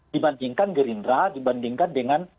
dibandingkan gerindra dibandingkan dengan